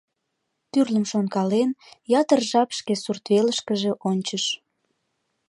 Тӱрлым шонкален, ятыр жап шке сурт велышкыже ончыш.